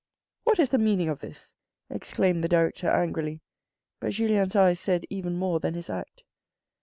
"What is the meaning of this?" exclaimed the director angrily, but Julien's eyes said even more than his act.